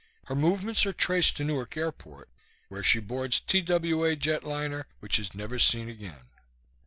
Her movements are traced to Newark airport where she boards TWA jetliner, which is never seen again.